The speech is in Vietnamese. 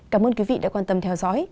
cảm ơn quý vị đã quan tâm theo dõi